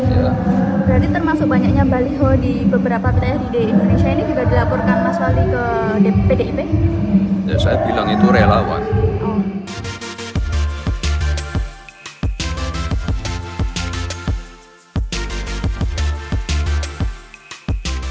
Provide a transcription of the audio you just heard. berarti termasuk banyaknya baliho di beberapa pdi indonesia ini juga dilaporkan mas wali ke dip